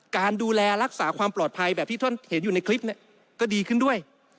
การดูแลรักษาความปลอดภัยแบบที่ท่านเห็นอยู่ในคลิปก็ดีขึ้นด้วย